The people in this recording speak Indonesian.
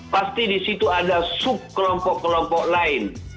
pasti disitu ada sub kelompok kelompok lain